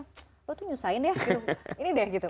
lo tuh nyusahin deh gitu ini deh gitu